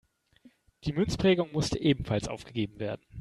Die Münzprägung musste ebenfalls aufgegeben werden.